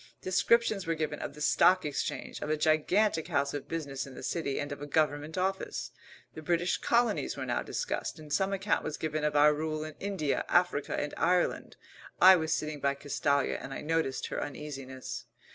Descriptions were given of the Stock Exchange, of a gigantic house of business in the City, and of a Government Office. The British Colonies were now discussed, and some account was given of our rule in India, Africa and Ireland. I was sitting by Castalia and I noticed her uneasiness.